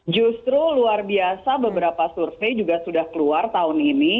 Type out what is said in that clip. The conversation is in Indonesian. justru luar biasa beberapa survei juga sudah keluar tahun ini